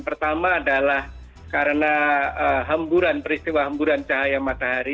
pertama adalah karena hemburan peristiwa hemburan cahaya matahari